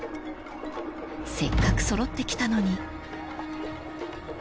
［せっかく揃ってきたのに］